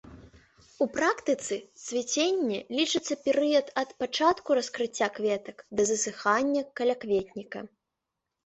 У практыцы цвіценне лічыцца перыяд ад пачатку раскрыцця кветак да засыхання калякветніка.